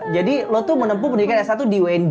jadi lo tuh menempuh pendidikan s satu di unj